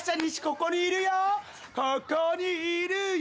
ここにいるよ